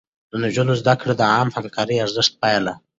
د نجونو زده کړه د عامه همکارۍ ارزښت پالي.